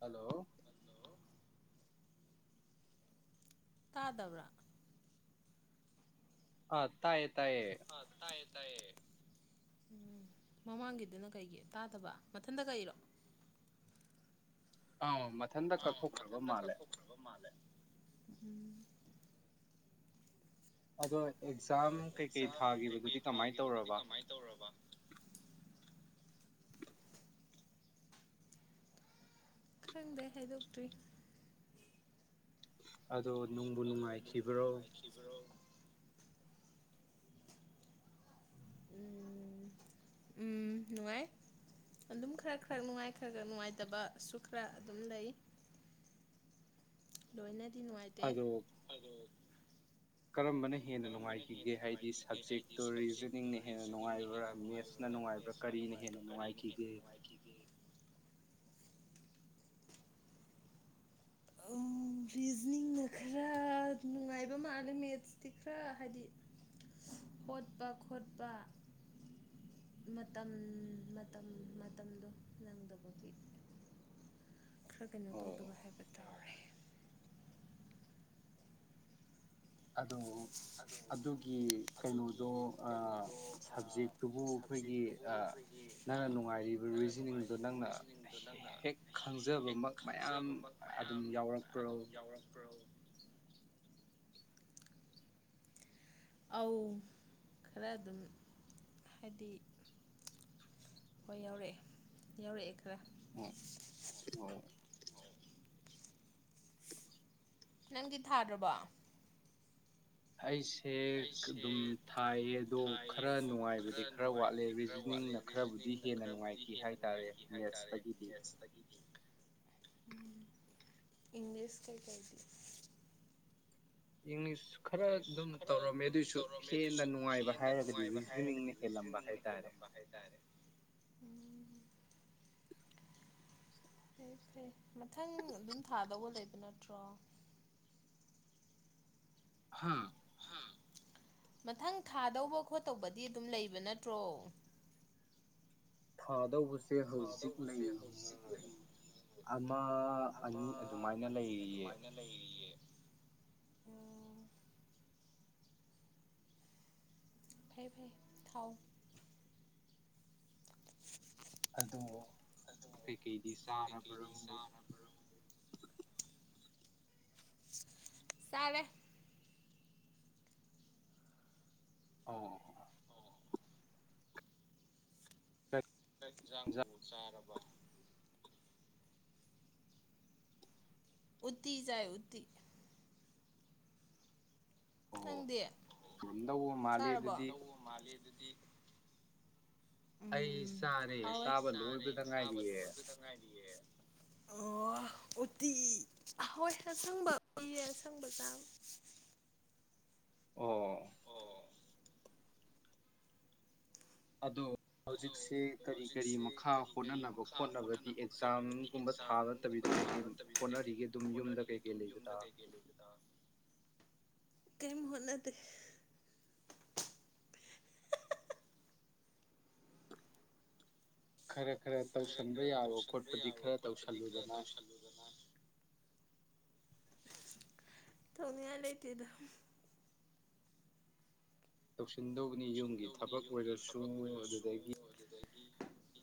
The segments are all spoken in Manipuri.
ꯍꯂꯣ ꯇꯥꯗꯕ꯭ꯔꯥ ꯑ ꯇꯥꯏꯌꯦ ꯑ ꯇꯥꯏꯌꯦ ꯇꯥꯏꯌꯦ ꯎꯝ ꯃꯃꯥꯡꯒꯤꯗꯨꯅ ꯀꯩꯒꯤ ꯇꯥꯗꯕ ꯃꯊꯟꯇ ꯀꯩꯔꯣ ꯑꯥꯎ ꯃꯊꯟꯇ ꯀꯛꯊꯣꯛꯈ꯭ꯔꯕ ꯃꯥꯜꯂꯦ ꯎꯝ ꯑꯗꯣꯏ ꯑꯗꯣ ꯑꯦꯛꯖꯥꯝ ꯀꯩꯀꯩ ꯊꯥꯒꯤꯕꯗꯨꯗꯤ ꯀꯃꯥꯏ ꯇꯧꯔꯕ ꯈꯪꯗꯦ ꯍꯥꯏꯗꯣꯛꯇ꯭ꯔꯤ ꯑꯗꯣ ꯅꯨꯡꯕꯨ ꯅꯨꯡꯉꯥꯏꯈꯤꯕ꯭ꯔꯣ ꯎꯝ ꯎꯝ ꯅꯨꯡꯉꯥꯏ ꯑꯗꯨꯝ ꯈꯔ ꯈꯔ ꯅꯨꯡꯉꯥꯏ ꯈꯔ ꯈꯔ ꯅꯨꯡꯉꯥꯏꯇꯕꯁꯨ ꯈꯔ ꯑꯗꯨꯝ ꯂꯩ ꯂꯣꯏꯅ ꯅꯨꯡꯉꯥꯏꯇꯦ ꯀꯔꯝꯕꯅ ꯍꯦꯟꯅ ꯅꯨꯡꯉꯥꯏꯈꯤꯒꯦ ꯍꯥꯏꯗꯤ ꯁꯕꯖꯦꯛꯇꯣ ꯔꯤꯖꯅꯤꯡꯅ ꯍꯦꯟꯅ ꯅꯨꯡꯉꯥꯏꯕ꯭ꯔꯥ ꯃꯦꯠꯁꯅ ꯅꯨꯡꯉꯥꯏꯕ꯭ꯔꯥ ꯀꯔꯤꯅ ꯍꯦꯟꯅ ꯅꯨꯡꯉꯥꯏꯈꯤꯒꯦ ꯎꯧ ꯔꯤꯖꯅꯤꯡꯅ ꯈꯔ ꯅꯨꯡꯉꯥꯏꯕ ꯃꯥꯜꯂꯦ ꯃꯦꯠꯁꯇꯤ ꯈꯔ ꯍꯥꯏꯗꯤ ꯍꯣꯠꯄ ꯈꯣꯠꯄ ꯃꯇꯝ ꯃꯇꯝ ꯃꯇꯝꯗꯣ ꯅꯪꯗꯕꯒꯤ ꯈꯔ ꯀꯩꯅꯣ ꯇꯧꯗꯕ ꯍꯥꯏꯕ꯭ꯔ ꯑꯗꯣ ꯑꯗꯨꯒꯤ ꯀꯩꯅꯣꯗꯣ ꯑ ꯁꯕꯖꯦꯛꯇꯨꯕꯨ ꯑꯩꯈꯣꯏꯒꯤ ꯑ ꯅꯪꯅ ꯅꯨꯡꯉꯥꯏꯔꯤꯕ ꯔꯤꯖꯅꯤꯡꯗꯣ ꯅꯪꯅ ꯍꯦꯛ ꯈꯪꯖꯕꯃꯛ ꯃꯌꯥꯝ ꯑꯗꯨꯝ ꯌꯥꯎꯔꯛꯄ꯭ꯔꯣ ꯑꯧ ꯈꯔ ꯑꯗꯨꯝ ꯍꯥꯏꯗꯤ ꯍꯣꯏ ꯌꯥꯎꯔꯛꯑꯦ ꯌꯥꯎꯔꯛꯑꯦ ꯈꯔ ꯎꯝ ꯑꯣ ꯅꯪꯗꯤ ꯊꯥꯗ꯭ꯔꯕꯣ ꯑꯩꯁ ꯑꯩꯁꯦ ꯑꯗꯨꯝ ꯊꯥꯏꯌꯦ ꯑꯗꯣ ꯈꯔ ꯅꯨꯡꯉꯥꯏꯕꯗꯤ ꯈꯔ ꯋꯥꯠꯂꯦ ꯔꯤꯖꯅꯤꯡꯅ ꯈꯔꯕꯨꯗꯤ ꯍꯦꯟꯅ ꯅꯨꯡꯉꯥꯏꯈꯤ ꯍꯥꯏ ꯇꯔꯦ ꯃꯦꯠꯁꯇꯒꯤꯗꯤ ꯏꯪꯂꯤꯁ ꯀꯩ ꯀꯩꯗꯤ ꯏꯪꯂꯤꯁ ꯈꯔ ꯑꯗꯨꯝ ꯇꯧꯔꯝꯃꯦ ꯑꯗꯨꯏꯁꯨ ꯍꯦꯟꯅ ꯅꯨꯡꯉꯥꯏꯕ ꯍꯥꯏꯔꯒꯗꯤ ꯔꯤꯖꯤꯅꯤꯡꯅ ꯍꯦꯜꯂꯝꯕ ꯍꯥꯏꯇꯥꯔꯦ ꯎꯝ ꯃꯊꯪ ꯑꯗꯨꯝ ꯊꯥꯗꯧꯕ ꯂꯩꯕ ꯅꯠꯇ꯭ꯔꯣ ꯍ ꯃꯊꯪ ꯊꯥꯗꯧꯕ ꯈꯣꯠꯇꯧꯕꯗꯤ ꯑꯗꯨꯝ ꯂꯩꯕ ꯅꯠꯇ꯭ꯔꯣ ꯊꯥꯗꯧꯕ ꯇꯦ ꯍꯧꯖꯤꯛ ꯂꯩꯔꯤꯌꯦ ꯑꯃ ꯑꯅꯤ ꯑꯗꯨꯃꯥꯏꯅ ꯂꯩꯔꯤꯌꯦ ꯐꯩ ꯐꯩ ꯊꯥꯎ ꯑꯗꯣ ꯀꯩꯀꯩꯗꯤ ꯆꯥꯔꯕ꯭ꯔꯣ ꯆꯥꯔꯦ ꯑꯣ ꯀꯩ ꯑꯦꯟꯖꯥꯡꯕꯨ ꯆꯥꯔꯕ ꯎꯇꯤ ꯆꯥꯏ ꯎꯇꯤ ꯅꯪꯗꯤ ꯆꯥꯔꯕꯣ ꯑꯩ ꯆꯥꯔꯦ ꯆꯥꯕ ꯂꯣꯏꯕꯗ ꯉꯥꯏꯔꯤꯌꯦ ꯑꯣ ꯎꯇꯤ ꯍꯣꯏ ꯑꯁꯪꯕ ꯎꯌꯦ ꯑꯁꯪꯕ ꯆꯥꯕ ꯑꯣ ꯑꯗꯨ ꯍꯧꯖꯤꯛꯁꯦ ꯀꯔꯤ ꯀꯔꯤ ꯃꯈꯥ ꯍꯣꯠꯅꯅꯕ ꯈꯣꯠꯅꯕꯒꯤ ꯑꯦꯛꯖꯥꯝꯒꯨꯝꯕ ꯊꯥ ꯅꯠꯇꯕꯤꯗ ꯀꯩꯀꯩ ꯍꯣꯠꯅꯔꯤꯒꯦ ꯑꯗꯨꯝ ꯌꯨꯝꯗ ꯀꯩ ꯀꯩ ꯂꯩꯕꯗꯥ ꯀꯔꯤꯝ ꯍꯣꯠꯅꯗꯦ ꯈꯔ ꯈꯔ ꯇꯧꯁꯟꯕ ꯌꯥꯕ ꯈꯣꯠꯄꯗꯤ ꯈꯔ ꯇꯧꯁꯜꯂꯨꯗꯅ ꯇꯧꯅꯤꯡꯉꯥꯏ ꯂꯩꯇꯦꯗ ꯇꯧꯁꯤꯟꯗꯧꯕꯅꯤ ꯌꯨꯝꯒꯤ ꯊꯕꯛ ꯑꯣꯏꯔꯁꯨ ꯑꯗꯨꯗꯒꯤ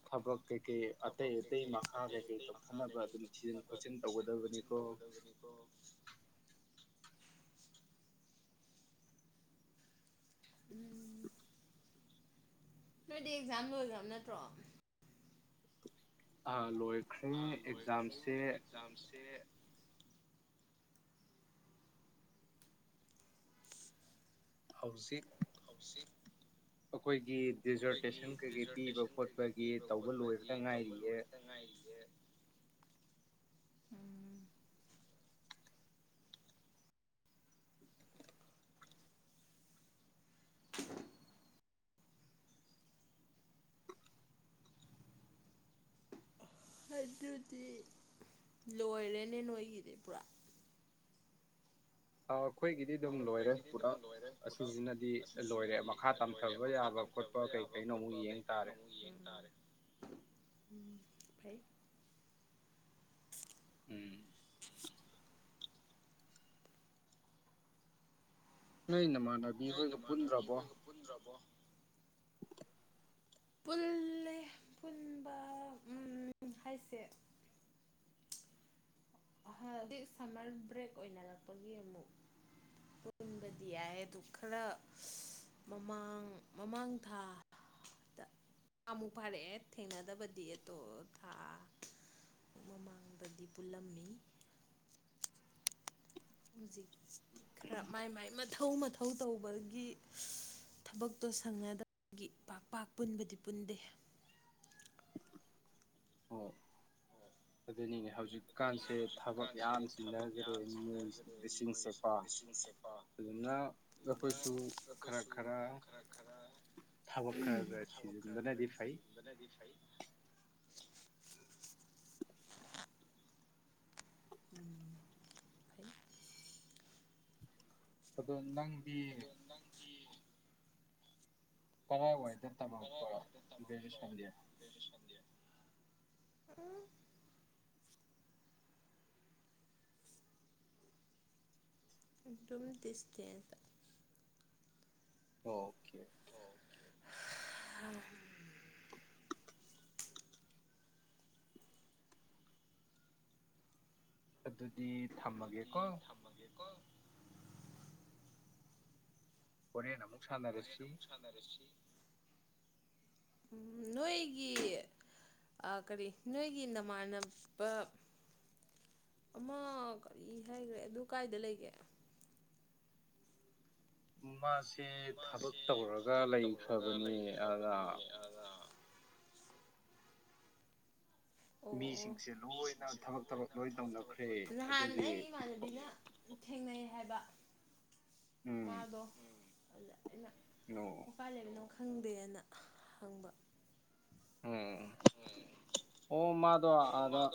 ꯊꯕꯛ ꯀꯩꯀꯩ ꯑꯇꯩ ꯑꯇꯩ ꯃꯈꯥ ꯀꯩꯀꯩ ꯇꯧꯊꯅꯕ ꯑꯗꯨꯝ ꯊꯤꯖꯤꯟ ꯈꯣꯠꯆꯤꯟ ꯇꯧꯒꯗꯕꯅꯤꯀꯣ ꯎꯝ ꯅꯣꯏꯗꯤ ꯑꯦꯛꯖꯥꯝ ꯂꯣꯏꯈ꯭ꯔꯕ ꯅꯠꯇ꯭ꯔꯣ ꯑꯥ ꯂꯣꯏꯈ꯭ꯔꯦ ꯑꯦꯛꯖꯥꯝꯁꯦ ꯍꯧꯖꯤꯛ [unintelligible] ꯑꯩꯈꯣꯏ ꯑꯩꯈꯣꯏꯒꯤ ꯗꯦꯖꯔꯇꯦꯁꯟ ꯀꯩꯀꯩ ꯄꯤꯕ ꯈꯣꯠꯄꯒꯤ ꯇꯧꯕ ꯂꯣꯏꯕꯗ ꯉꯥꯏꯔꯤꯌꯦ [inaudible] ꯑꯗꯨꯗꯤ ꯂꯣꯏꯔꯦꯅꯦ ꯅꯣꯏꯒꯤꯗꯤ ꯄꯨꯔꯥ ꯑꯥꯎ ꯑꯩꯈꯣꯏꯒꯤꯗꯤ ꯑꯗꯨꯝ ꯂꯣꯏꯔꯦ ꯄꯨꯔꯥ ꯑꯁꯤꯁꯤꯅꯗꯤ ꯂꯣꯏꯔꯦ ꯃꯈꯥ ꯇꯝꯊꯕ ꯌꯥꯕ ꯈꯣꯠꯄ ꯀꯩ ꯀꯩꯅꯣ ꯑꯃꯨꯛ ꯌꯦꯡ ꯇꯥꯔꯦ ꯎꯝ ꯐꯩ ꯎꯝ ꯅꯣꯏ ꯃꯅꯥ ꯅꯕꯤ ꯍꯣꯏꯒ ꯄꯨꯟꯗ꯭ꯔꯕꯣ ꯄꯨꯜꯂꯦ ꯄꯨꯟꯕ ꯎꯝ ꯍꯥꯏꯁꯦ ꯑꯍ ꯁꯝꯃꯔ ꯕ꯭ꯔꯦꯛ ꯑꯣꯏꯅꯔꯛꯄꯒꯤ ꯑꯃꯨꯛ ꯄꯨꯟꯕꯗꯤ ꯌꯥꯏ ꯑꯗꯨ ꯈꯔ ꯃꯃꯥꯡ ꯃꯃꯥꯡ ꯊꯥꯗ ꯑꯃꯨꯛ ꯐꯥꯔꯛꯑꯦ ꯊꯦꯡꯅꯗꯕꯗꯤ ꯑꯇꯣ ꯊꯥ ꯃꯃꯥꯡꯗꯗꯤ ꯄꯨꯜꯂꯝꯃꯤ ꯍꯧꯖꯤꯛ ꯈꯔ ꯃꯥꯏ ꯃꯥꯏ ꯃꯊꯧ ꯃꯊꯧ ꯊꯧ ꯇꯧꯕꯒꯤ ꯊꯕꯛꯇꯣ ꯁꯪꯅꯗꯕꯒꯤ ꯄꯥꯛ ꯄꯥꯛ ꯄꯨꯟꯕꯗꯤ ꯄꯨꯟꯗꯦ ꯑꯣ ꯑꯗꯨꯅꯤꯅꯦ ꯍꯧꯖꯤꯛ ꯑꯗꯨꯅꯤ ꯍꯧꯖꯤꯛꯀꯥꯟꯁꯦ ꯊꯕꯛ ꯌꯥꯝ ꯁꯤꯖꯤꯟꯅꯒꯔꯦ ꯃꯤꯑꯣꯏ ꯂꯤꯁꯤꯡꯁꯦꯀꯣ ꯑꯗꯨꯅ ꯑꯈꯣꯏꯁꯨ ꯈꯔ ꯈꯔ ꯊꯕꯛ ꯈꯔ ꯈꯔ ꯊꯤꯖꯤꯟꯕꯅꯗꯤ ꯐꯩ ꯎꯝ ꯑꯗꯣ ꯅꯪ ꯄꯤ ꯀꯔꯥꯏꯋꯥꯏꯗ ꯁꯤꯗꯥ ꯇꯝꯃꯛꯄꯔꯥ ꯒꯔꯦꯖꯨꯑꯦꯁꯟ ꯗꯤ ꯎ ꯑꯗꯨꯝ ꯗꯤꯁꯇꯦꯟꯇ ꯑꯣꯀꯦ ꯍꯝ ꯑꯗꯨꯗꯤ ꯊꯝꯃꯒꯦꯀꯣ ꯍꯣꯔꯦꯝ ꯑꯃꯨꯛ ꯁꯅꯔꯁꯤ ꯎ ꯅꯣꯏꯒꯤ ꯑꯥ ꯀꯔꯤ ꯅꯣꯏꯒꯤ ꯅꯃꯥꯟꯅꯕ ꯑꯃ ꯀꯔꯤ ꯍꯥꯏꯒꯔꯦ ꯑꯗꯨ ꯀꯥꯏꯗ ꯂꯩꯒꯦ ꯃꯥꯁꯦ ꯁꯦ ꯊꯕꯛ ꯇꯧꯔꯒ ꯂꯩꯈ꯭ꯔꯕꯅꯦ ꯑꯥꯗ ꯃꯤꯁꯤꯡꯁꯦ ꯂꯣꯏꯅ ꯊꯕꯛ ꯊꯕꯛ ꯂꯣꯏ ꯇꯧꯅꯈ꯭ꯔꯦ ꯑꯗꯨꯒꯤ ꯍꯥꯏꯕ ꯃꯗꯣ ꯑꯗꯨꯗ ꯑꯩꯅꯥ ꯀꯥꯏ ꯂꯩꯕꯅꯣ ꯈꯪꯗꯦꯅ ꯍꯪꯕ ꯎꯝ ꯑꯣ ꯃꯥꯗꯣ ꯑꯗ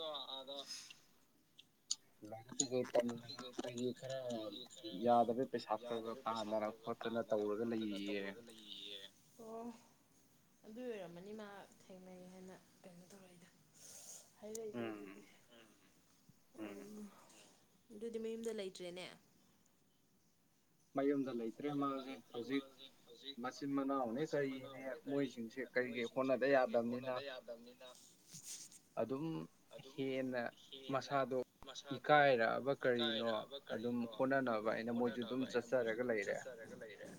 ꯂꯥꯏꯐ ꯀꯤꯖꯨ ꯑꯗꯨꯗꯣ ꯇꯟꯗꯅ ꯑꯈꯣꯏꯗꯤ ꯈꯔ ꯌꯥꯗꯕꯩ ꯄꯩꯁꯥ ꯈꯔ ꯈꯔ ꯇꯟꯗꯅꯥ ꯈꯣꯠꯇꯅ ꯇꯧꯔꯒ ꯂꯩꯔꯤꯌꯦ ꯑꯣ ꯑꯗꯨꯏ ꯑꯣꯏꯔꯝꯃꯅꯤ ꯃꯥ ꯊꯦꯡꯅꯩ ꯍꯥꯏꯅ ꯀꯩꯅꯣ ꯇꯧꯔꯛꯏꯗꯣ ꯍꯥꯏꯔꯛꯏꯗꯣ ꯑꯗꯨꯗꯤ ꯑꯗꯨꯗꯤ ꯃꯌꯨꯝꯗ ꯂꯩꯇ꯭ꯔꯦꯅꯦ ꯃꯌꯨꯝꯗ ꯂꯩꯇ꯭ꯔꯦ ꯃꯥꯁꯦ ꯍꯧꯖꯤꯛ ꯃꯆꯤꯟ ꯃꯅꯥꯎꯅꯦ ꯀꯔꯤꯅꯦ ꯃꯣꯏꯁꯤꯡꯁꯦ ꯀꯔꯤ ꯀꯔꯤ ꯍꯣꯠꯅꯗ ꯌꯥꯗꯕꯅꯤꯅ ꯑꯗꯨꯝ ꯍꯦꯟꯅ ꯃꯁꯥꯗꯣ ꯏꯀꯥꯏꯔꯛꯑꯕ ꯀꯔꯤꯅꯣ ꯑꯗꯨꯝ ꯍꯣꯠꯅꯅꯕ ꯍꯥꯏꯅ ꯃꯣꯏꯁꯨ ꯃꯣꯏꯁꯨ ꯑꯗꯨꯝ ꯆꯠꯆꯔꯒ ꯂꯩꯔꯦ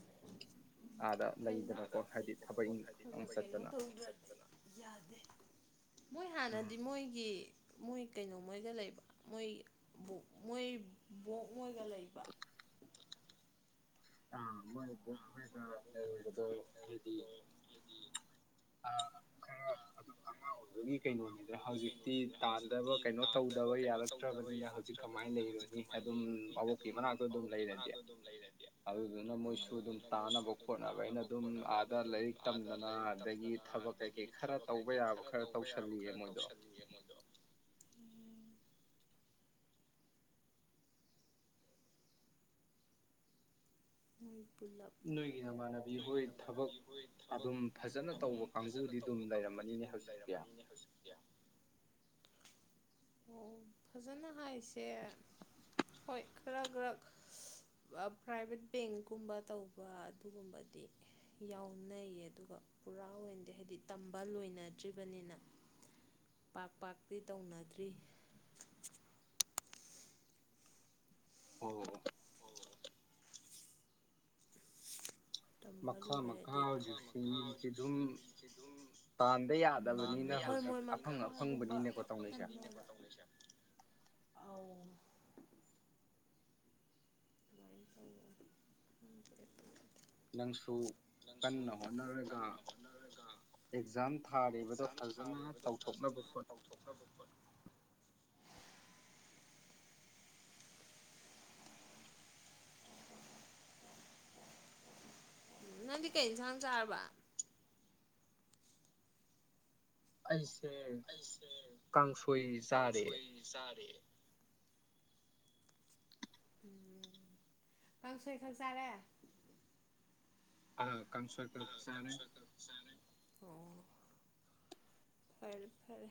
[unintelligible] ꯃꯣꯏ ꯍꯥꯟꯅꯗꯤ ꯃꯣꯏ ꯃꯣꯏ ꯀꯩꯅꯣ ꯃꯣꯏꯒ ꯂꯩꯕ ꯃꯣꯏ ꯕꯣ ꯃꯣꯏ ꯕꯣꯛ ꯃꯣꯏꯒ ꯂꯩꯕ [unintelligible] ꯑ ꯂꯩꯕꯗꯣ ꯍꯥꯏꯗꯤ ꯑ ꯈꯔ ꯑꯗꯨꯝ ꯑꯉꯥꯡ ꯑꯣꯏꯕꯒꯤ ꯀꯩꯅꯣꯅꯤꯗ꯭ ꯍꯧꯖꯤꯛꯇꯤ ꯇꯥꯟꯗꯕ ꯀꯩꯅꯣ ꯇꯧꯗꯕ ꯌꯥꯔꯛꯇ꯭ꯔꯕꯅꯤꯅ ꯍꯧꯖꯤꯛ ꯀꯃꯥꯏꯅ ꯂꯩꯔꯨꯅꯤ ꯑꯗꯨꯝ ꯑꯕꯣꯛꯀꯤ ꯃꯅꯥꯛꯇ ꯑꯗꯨꯝ ꯂꯩꯔꯗꯤ ꯑꯗꯨꯗꯨꯅ ꯃꯣꯏꯁꯨ ꯑꯗꯨꯝ ꯇꯥꯅꯕ ꯈꯣꯠꯅꯕ ꯑꯩꯅ ꯑꯗꯨꯝ ꯑꯥꯗ ꯂꯥꯏꯔꯤꯛ ꯇꯝꯗꯅ ꯑꯗꯒꯤ ꯊꯕꯛ ꯀꯩꯀꯩ ꯈꯔ ꯇꯧꯕ ꯌꯥꯕ ꯈꯔ ꯇꯧꯁꯜꯂꯤꯌꯦ ꯃꯣꯏ ꯃꯣꯏꯗꯣ ꯎꯝ [inaudible] ꯅꯣꯏꯒꯤ ꯅꯃꯥꯟꯅꯕꯤ ꯍꯣꯏ ꯊꯕꯛ ꯑꯗꯨꯝ ꯐꯖꯅ ꯇꯧꯕ ꯀꯥꯡꯕꯨꯗꯤ ꯑꯗꯨꯝ ꯂꯩꯔꯝꯃꯅꯤꯅꯦ ꯍꯧꯖꯤꯛꯇꯤ ꯑꯣ ꯐꯖꯅ ꯍꯥꯏ ꯏꯁꯦ ꯍꯣꯏ ꯈꯔ ꯈꯔ ꯄ꯭ꯔꯥꯏꯚꯦꯠ ꯄꯦꯡꯀꯨꯝꯕ ꯇꯧꯕ ꯑꯗꯨꯒꯨꯝꯕꯗꯤ ꯌꯥꯎꯅꯩꯌꯦ ꯑꯗꯨꯒ ꯄꯨꯔꯥ ꯑꯣꯏꯅꯗꯤ ꯍꯥꯏꯗꯤ ꯇꯝꯕ ꯂꯣꯏꯅꯗ꯭ꯔꯤꯕꯅꯤꯅ ꯄꯥꯛ ꯄꯥꯛꯇꯤ ꯇꯧꯅꯗ꯭ꯔꯤ ꯑꯣ ꯃꯈꯥ ꯃꯈꯥ ꯍꯧꯖꯤꯛꯁꯤꯗꯤ ꯃꯤꯁꯦ ꯑꯗꯨꯝ ꯇꯥꯟꯕ ꯌꯥꯗꯕꯅꯤꯅ ꯍꯧꯖꯤꯛ ꯑꯐꯪ ꯑꯐꯪꯕꯅꯤꯅꯦꯀꯣ ꯇꯧꯅꯩꯁꯦ ꯑꯎ [unintelligible] ꯅꯪꯁꯨ ꯀꯟꯅ ꯍꯣꯠꯅꯔꯒ ꯑꯦꯛꯖꯥꯝ ꯊꯥꯔꯤꯕꯗꯣ ꯐꯖꯅ ꯇꯧꯊꯣꯛꯅꯕ ꯈꯣꯠꯅꯩ ꯅꯪꯗꯤ ꯀꯩ ꯏꯟꯁꯥꯡ ꯆꯔꯕ ꯑꯩꯁ ꯑꯩꯁꯦ ꯀꯥꯡꯁꯣꯏ ꯆꯥꯔꯦ ꯎꯝ꫰ꯀꯥꯡꯁꯣꯏ ꯈꯛ ꯆꯥꯔꯦ ꯑꯥ ꯀꯥꯡꯁꯣꯏ ꯈꯛ ꯆꯥꯔꯦ ꯑꯣ ꯐꯔꯦ ꯐꯔꯦ ꯐꯔꯦ